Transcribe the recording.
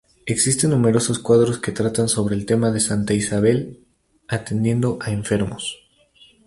Existe numerosos cuadros que tratan sobre el tema de Santa Isabel atendiendo a enfermos.